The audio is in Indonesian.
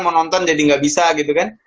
mau nonton jadi nggak bisa gitu kan